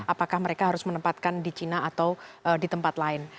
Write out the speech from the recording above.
apakah mereka harus menempatkan di cina atau di tempat lain